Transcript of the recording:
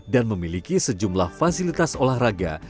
dan memiliki sejumlah fasilitas olahraga